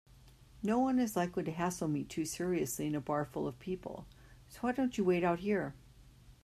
Noone is likely to hassle me too seriously in a bar full of people, so why don't you wait out here?